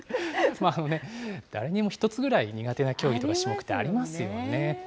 誰にも１つぐらい、苦手な競技とか種目ってありますよね。